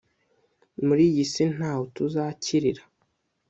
muri iyi si nta ho tuzakirira.